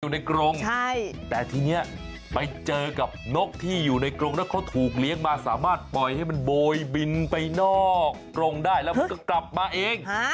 กรงแต่ทีนี้ไปเจอกับนกที่อยู่ในกรงแล้วเขาถูกเลี้ยงมาสามารถปล่อยให้มันโบยบินไปนอกกรงได้แล้วมันก็กลับมาเอง